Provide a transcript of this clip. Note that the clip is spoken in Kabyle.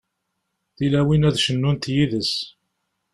Tilawin ad cennunt yid-s.